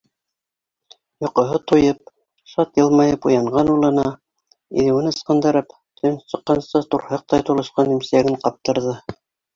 Йоҡоһо туйып, шат йылмайып уянған улына, иҙеүен ысҡындырып, төн сыҡҡансы турһыҡтай тулышҡан имсәген ҡаптырҙы...